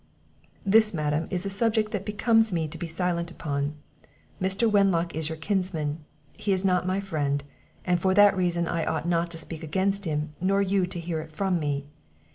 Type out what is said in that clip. "This, madam, is a subject that it becomes me to be silent upon. Mr. Wenlock is your kinsman; he is not my friend; and for that reason I ought not to speak against him, nor you to hear it from me.